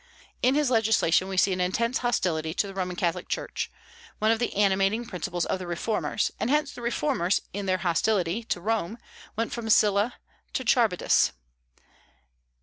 In his legislation we see an intense hostility to the Roman Catholic Church, one of the animating principles of the Reformers; and hence the Reformers, in their hostility to Rome, went from Sylla into Charybdis.